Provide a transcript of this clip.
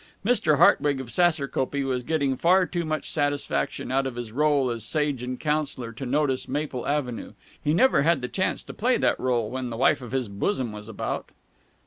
Mr. Hartwig of Saserkopee was getting far too much satisfaction out of his rôle as sage and counselor to notice Maple Avenue. He never had the chance to play that rôle when the wife of his bosom was about.